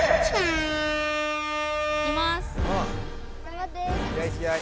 いきます！